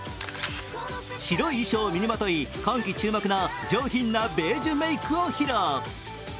白い衣装を身にまとい、今季注目の上品なベージュメークを披露。